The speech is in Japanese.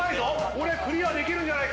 これクリアできるんじゃないか？